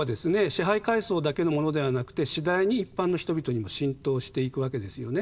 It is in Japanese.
支配階層だけのものではなくて次第に一般の人々にも浸透していくわけですよね。